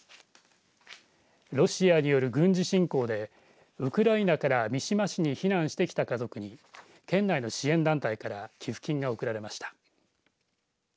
ロシアによる軍事侵攻でウクライナから三島市に避難してきた家族に県内の支援団体から寄付金が贈られました。